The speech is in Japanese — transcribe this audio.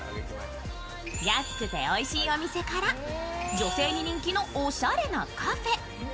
安くて、おいしいお店から女性に人気のおしゃれなカフェ。